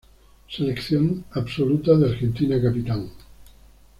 Selección absoluta de Argentina Capitán